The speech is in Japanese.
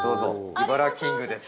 イバラキングです。